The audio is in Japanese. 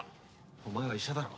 お前は医者だろ